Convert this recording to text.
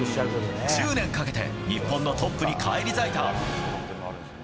１０年かけて日本のトップに返り咲いた。